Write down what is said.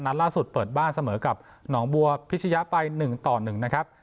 นัดล่าสุดเปิดบ้านเสมอกับหนองบัวพิชยะไป๑ต่อ๑นะครับ